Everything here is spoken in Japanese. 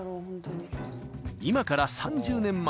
［今から３０年前］